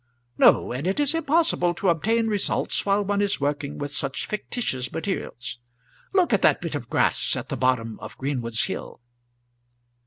"No; and it is impossible to obtain results while one is working with such fictitious materials. Look at that bit of grass at the bottom of Greenwood's Hill."